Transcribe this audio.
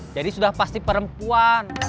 jadi sudah pasti perempuan